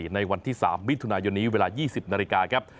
ในวันที่๓มิถุนายนนี้เวลา๒๐นาฬิกาครับ